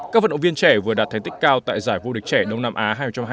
các vận động viên trẻ vừa đạt thành tích cao tại giải vô địch trẻ đông nam á hai nghìn hai mươi